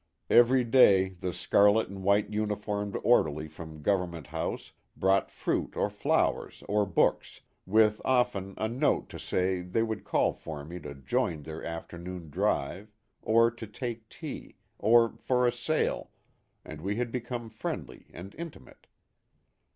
Every day the scarlet and white uniformed orderly from Government House brought fruit or flowers or books, with often a note to say they would call for me to join their afternoon drive, or to take tea, or for a sail, and we had become friendly and intimate.